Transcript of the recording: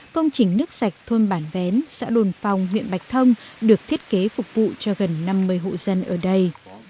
công trình nước sạch thôn bản vén xã đồn phòng huyện bạch thông được thiết kế phục vụ cho gần năm mươi hộ dân ở đây